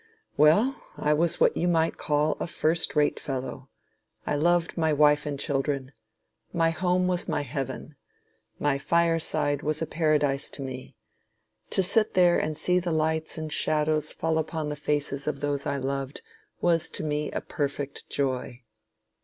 Well, I was what you might call a first rate fellow. I loved my wife and children. My home was my heaven. My fireside was a paradise to me. To sit there and see the lights and shadows fall upon the faces of those I loved, was to me a perfect joy.